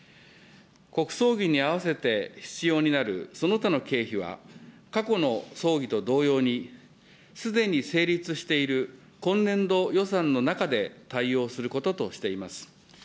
国葬儀に合わせて必要になるその他の経費は、過去の葬儀と同様に、すでに成立している今年度予算の中で対応することとしています。